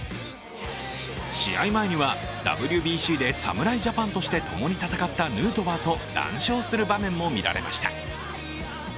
試合前には、ＷＢＣで侍ジャパンとして共に戦ったヌートバーと談笑する場面も見られました。